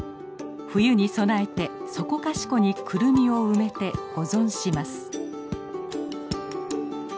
冬に備えてそこかしこにクルミを埋めて保存します。